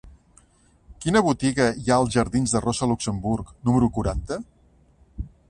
Quina botiga hi ha als jardins de Rosa Luxemburg número quaranta?